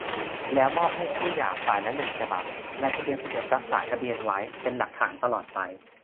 แล้วมอบให้คู่หย่าฝ่ายละ หนึ่ง ฉบับ นายทะเบียนจะเก็บรักษาทะเบียนไว้เป็นหลักฐานตลอดไป